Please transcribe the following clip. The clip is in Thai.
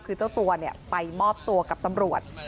คือเจ้าตัวไปมอบตัวกับตำรวจ